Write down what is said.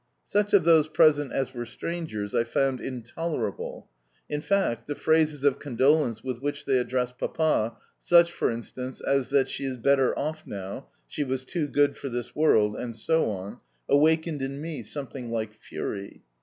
Such of those present as were strangers I found intolerable. In fact, the phrases of condolence with which they addressed Papa (such, for instance, as that "she is better off now" "she was too good for this world," and so on) awakened in me something like fury.